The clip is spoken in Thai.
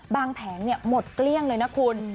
บางแผงเนี่ยหมดแกล้งเลยนะคุณ